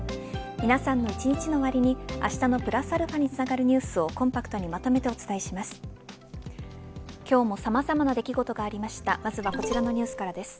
皆さんの一日の終わりにあしたのプラスαにつながるニュースをコンパクトにまとめてお伝えします。